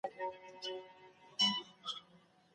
خاوند بايد له مېرمني څخه خپل بستر بېل کړي.